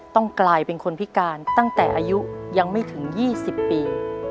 ต้องกลายเป็นคนพิการตั้งแต่อายุยังไม่ถึง๒๐ปี